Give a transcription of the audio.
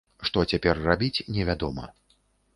Што цяпер рабіць, невядома.